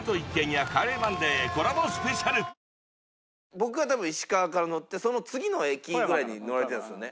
僕が多分石川から乗ってその次の駅ぐらいに乗られてるんですよね。